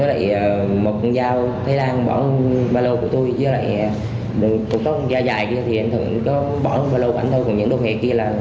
ba con dao thái lan một mã tấu bốn túi ớt bột nhiều viên đá và nhiều viên đá và nhiều loại hung khí nguy hiểm